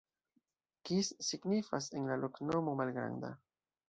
Kis signifas en la loknomo: malgranda.